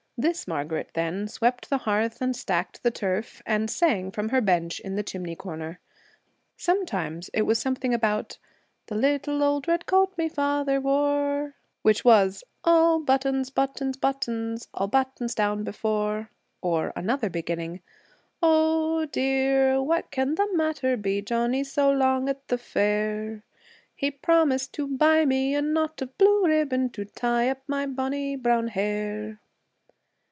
This Margaret, then, swept the hearth and stacked the turf and sang from her bench in the chimney corner. Sometimes it was something about 'the little old red coat me father wore,' which was 'All buttons, buttons, buttons, buttons; all buttons down before'; or another beginning, 'O, dear, what can the matter be? Johnnie's so long at the fair! He promised to buy me a knot of blue ribbon To tie up my bonny brown hair.'